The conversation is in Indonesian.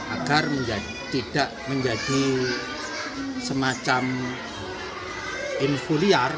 agar tidak menjadi semacam infuliar